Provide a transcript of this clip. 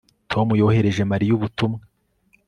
Tom yohereje Mariya ubutumwa